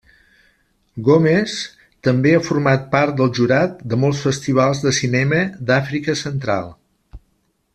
Gomes també ha format part del jurat de molts festivals de cinema d'Àfrica Central.